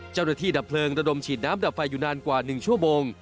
เจ้าหน้าที่ดับเพลิงและดมฉีดน้ำดับไฟอยู่นานกว่า๑ชั่วโมง